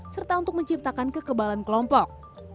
serta untuk menciptakan kekebalan kelompok